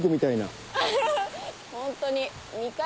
ホントに。